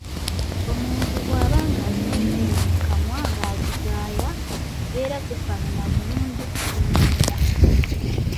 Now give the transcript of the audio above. Omuntu bw'aba ng'alina emmere mu kamwa ng'agigaaya, ebeera tefaanana bulungi kutunuulira.